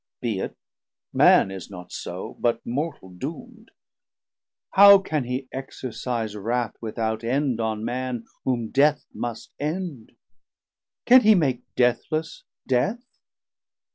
be it, man is not so, But mortal doom'd. How can he exercise Wrath without end on Man whom Death must end? Can he make deathless Death?